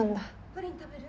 プリン食べる？